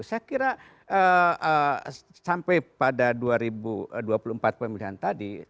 saya kira sampai pada dua ribu dua puluh empat pemilihan tadi